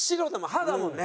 歯だもんね。